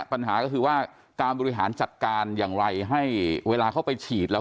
ปัญหาก็คือว่าการบริหารจัดการอย่างไรให้เวลาเข้าไปฉีดแล้ว